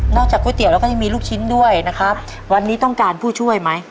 จากก๋วยเตี๋ยแล้วก็ยังมีลูกชิ้นด้วยนะครับวันนี้ต้องการผู้ช่วยไหม